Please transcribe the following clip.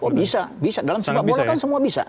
oh bisa bisa dalam sepak bola kan semua bisa